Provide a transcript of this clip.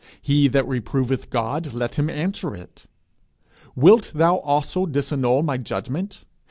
he that reproveth God, let him answer it.' 'Wilt thou also disannul my judgment?